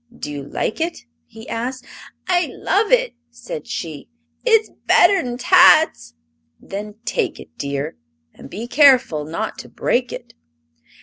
"Do you like it?" he asked. "I love it!" said she. "It's better 'an tats!" "Then take it, dear, and be careful not to break it."